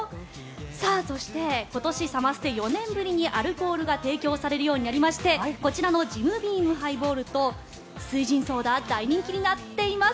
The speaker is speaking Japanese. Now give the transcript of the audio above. そして今年、サマステ４年ぶりにアルコールが提供されるようになりましてこちらのジムビームハイボールと翠ジンソーダ大人気になっています。